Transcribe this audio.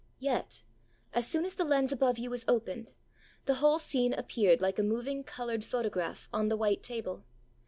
Yet, as soon as the lens above you was opened, the whole scene appeared like a moving coloured photograph on the white table.